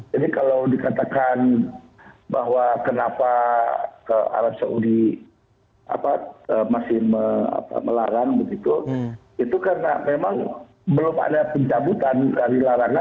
jadi kalau dikatakan bahwa kenapa arab saudi masih melarang begitu itu karena memang belum ada penjelasan